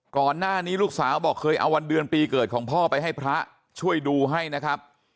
ก่อนหน้านี้ลูกสาวบอกเคยเอาวันเดือนปีเกิดของพ่อไปให้พระช่วยดูให้นะครับ